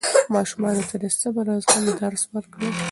ماشومانو ته د صبر او زغم درس ورکړئ.